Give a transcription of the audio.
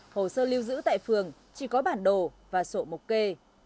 hồ sơ lưu giữ tại phường chỉ có bản đồ và sổ mục kê